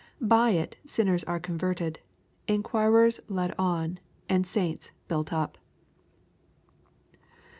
By it sinners are converted, inquirers led on, and saints built up.